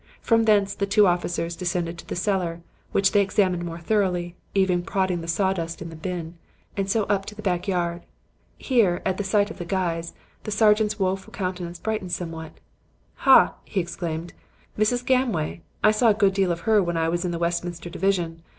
From thence the two officers descended to the cellar, which they examined more thoroughly, even prodding the sawdust in the bin, and so up to the back yard. Here, at the sight of the guys, the sergeant's woeful countenance brightened somewhat. "'Ha!' he exclaimed; 'Mrs. Gamway! I saw a good deal of her when I was in the Westminster division.